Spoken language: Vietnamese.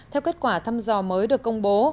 theo kết quả thăm dò mới được công bố